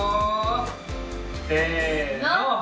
せの！